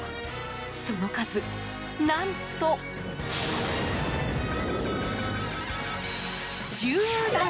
その数、何と１０段！